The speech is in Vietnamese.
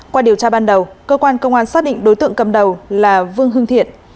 qua điều tra ban đầu cơ quan công an xác định đối tượng cầm đầu là vương hưng thiện